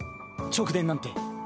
直電なんて。